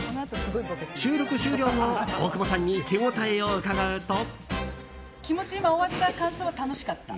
収録終了後大久保さんに手応えを伺うと。